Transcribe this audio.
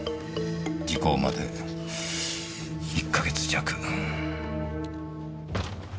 時効まで１か月弱。